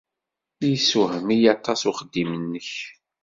Yessewhem-iyi aṭas uxeddim-nnek.